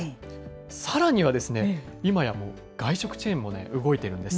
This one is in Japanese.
さらには、いまやもう外食チェーンもね、動いているんです。